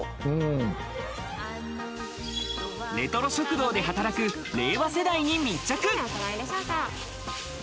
レトロ食堂で働く令和世代に密着。